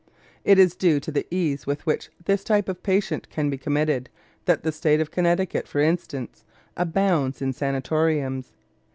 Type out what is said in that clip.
It is due to the ease with which this type of patient can be committed that the State of Connecticut, for instance, abounds in sanatoriums.